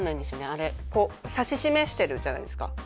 あれこう指し示してるじゃないですか